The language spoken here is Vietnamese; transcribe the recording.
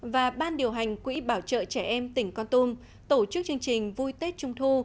và ban điều hành quỹ bảo trợ trẻ em tỉnh con tum tổ chức chương trình vui tết trung thu